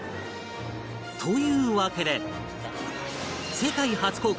というわけで世界初公開